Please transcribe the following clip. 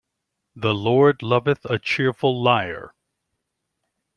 The Lord loveth a cheerful liar.